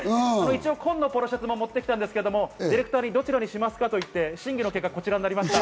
一応紺のポロシャツも持ってきたんですけどディレクターにどちらにしますか？といって審議の結果、こちらになりました。